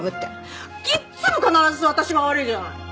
いっつも必ず私が悪いじゃない！